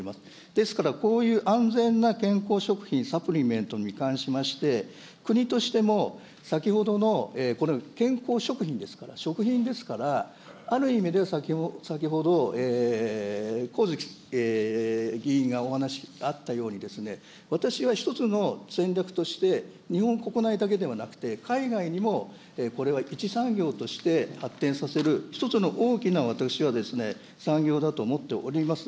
ですからこういう安全な健康食品、サプリメントに関しまして、国としても先ほどの健康食品ですから、食品ですから、ある意味で、先ほど、上月議員がお話あったように、私は一つの戦略として、日本国内だけではなくて、海外にもこれは一産業として発展させる一つの大きな、私は、産業だと思っております。